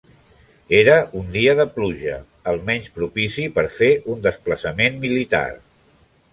Era un dia de pluja, el menys propici per fer un desplaçament militar.